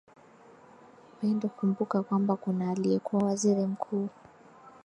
pendo kumbuka kwamba kuna aliyekuwa waziri mkuu